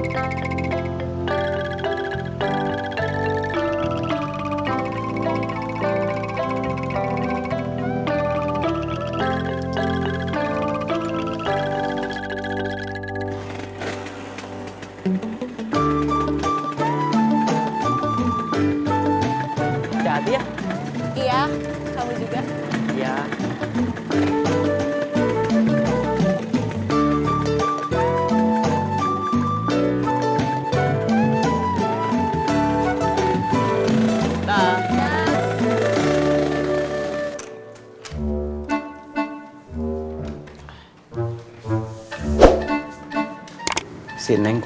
jangan lupa likeacking